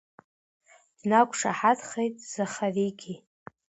Днақәшаҳаҭхеит Захаригьы.